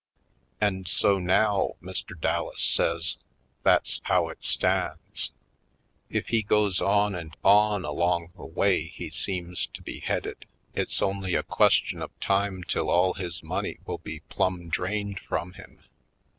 And so now, Mr. Dallas says, that's how it stands. If he goes on and on along the way he seems to be headed it's only a ques tion of time till all his money will be plumb drained from him.